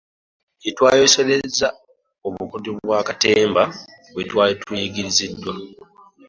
Eyo gye twayoleseza obukodyo bwa katemba bwe twali tuyigiriziddwa.